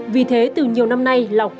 vì thế từ nhiều năm nay